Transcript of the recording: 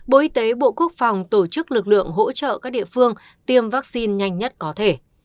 bộ y tế bộ quốc phòng tổ chức lực lượng hỗ trợ các địa phương tiêm vaccine nhanh nhất có thể